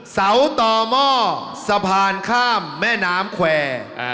เสาต่อหม้อสะพานข้ามแม่น้ำแควร์